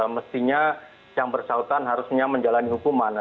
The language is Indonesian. mestinya yang bersangkutan harusnya menjalani hukuman